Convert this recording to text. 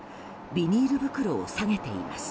ビニール袋をさげています。